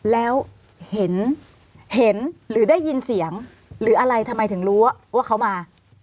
แล้วเห็นหรือได้ยินเสียงหรืออะไรทำไมถึงรู้ว่าเขามา